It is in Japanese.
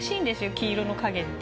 黄色の影って。